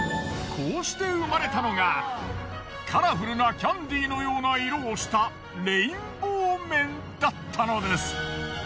こうして生まれたのがカラフルなキャンディのような色をしたレインボー麺だったのです。